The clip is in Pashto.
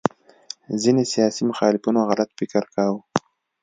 ځینې سیاسي مخالفینو غلط فکر کاوه